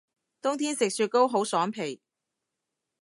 冬天食雪糕好爽皮